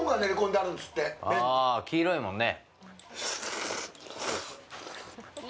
ああ、黄色いもんね。